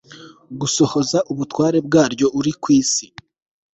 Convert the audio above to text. gusohoza ubutware bwaryo uri ku isi